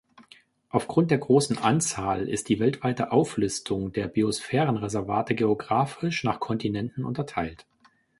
Aufgrund der großen Anzahl ist die weltweite Auflistung der Biosphärenreservate geographisch nach Kontinenten unterteilt.